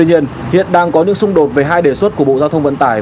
tuy nhiên hiện đang có những xung đột về hai đề xuất của bộ giao thông vận tải